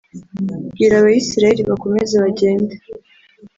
Bwira abisirayeri bakomeze bajyende